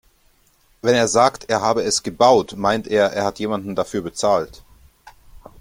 Wenn er sagt, er habe es gebaut, meint er, er hat jemanden dafür bezahlt.